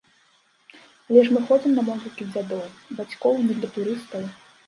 Але мы ж ходзім на могілкі дзядоў, бацькоў не для турыстаў.